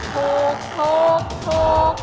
ถูก